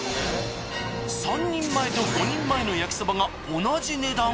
３人前と５人前のやきそばが同じ値段。